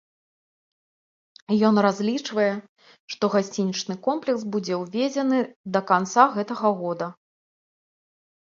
Ён разлічвае, што гасцінічны комплекс будзе ўведзены да канца гэтага года.